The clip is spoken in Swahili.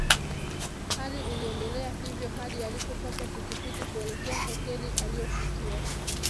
Hali iliendelea hivyo hadi alipopata pikipiki kuelekea hoteli aliyofikia